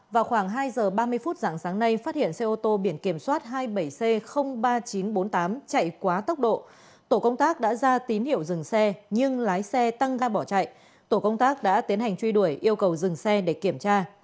vào khoảng hai giờ ba mươi phút dạng sáng nay phát hiện xe ô tô biển kiểm soát hai mươi bảy c ba nghìn chín trăm bốn mươi tám chạy quá tốc độ tổ công tác đã ra tín hiệu dừng xe nhưng lái xe tăng ga bỏ chạy tổ công tác đã tiến hành truy đuổi yêu cầu dừng xe để kiểm tra